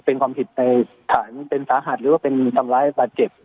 เป็นความผิดในฐานเป็นสาหัสหรือว่าเป็นทำร้ายบาดเจ็บ